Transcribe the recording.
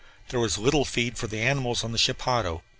There was little feed for the animals on the Chapadao.